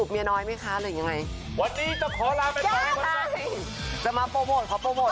เดี๋ยวมาโปรโมท